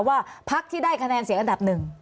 ว่าพักที่ได้คะแนนเสียงอันดับหนึ่ง